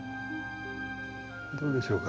どうでしょうか？